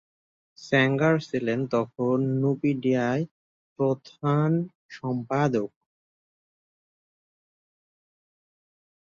Sanger ছিলেন তখন নুপিডিয়ায় প্রধান সম্পাদক।